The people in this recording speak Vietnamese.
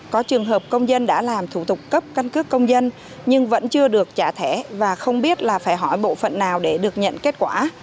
có trường hợp công dân đã làm thủ tục cấp căn cước công dân nhưng vẫn chưa được trả thẻ và không biết là phải hỏi bộ phận nào để được nhận kết quả